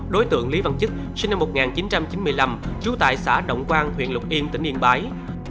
đối tượng lý văn chức sinh năm một nghìn chín trăm chín mươi năm trú tại xã động quang huyện lục yên tỉnh yên bái